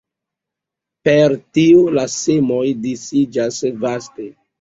Per tio la semoj disiĝas vaste.